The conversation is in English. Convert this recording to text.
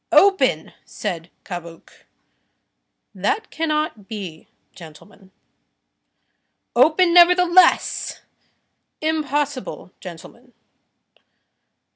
"Open!" said Cabuc. "That cannot be, gentlemen." "Open, nevertheless." "Impossible, gentlemen."